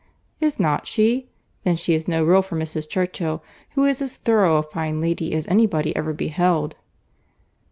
"Is not she? Then she is no rule for Mrs. Churchill, who is as thorough a fine lady as any body ever beheld."